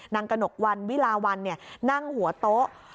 กระหนกวันวิลาวันนั่งหัวโต๊ะ